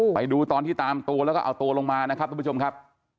ไปดูตอนที่ตามตัวแล้วก็เอาตัวลงมานะครับทุกผู้ชมครับ